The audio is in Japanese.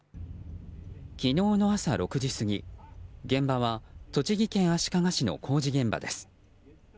昨日の朝６時過ぎ、現場は栃木県足利市の工事現場です。